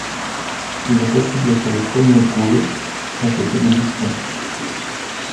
Il est possible que les premiers Goué aient été des bûcherons.